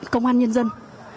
công an nhân dân